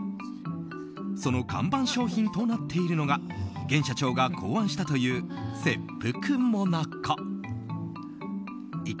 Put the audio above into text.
その看板商品となっているのが現社長が考案したという切腹最中。